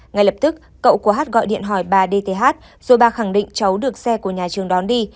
ngay lập tức cậu của hát gọi điện hỏi bà dth rồi bà khẳng định cháu được xe của nhà trường đón đi